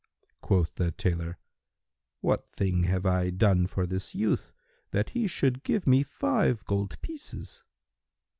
Quoth the tailor, "What thing have I done for this youth, that he should give me five gold pieces?"